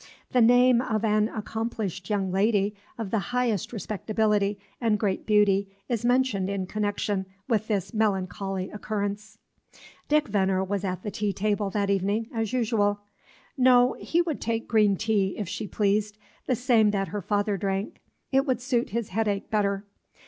The name of an accomplished young lady of the highest respectability and great beauty is mentioned in connection with this melancholy occurrence." Dick Venner was at the tea table that evening, as usual. No, he would take green tea, if she pleased, the same that her father drank. It would suit his headache better.